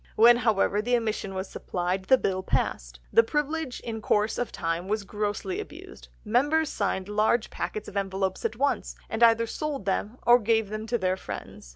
When, however, the omission was supplied, the Bill passed. The privilege in course of time was grossly abused. Members signed large packets of envelopes at once, and either sold them, or gave them to their friends.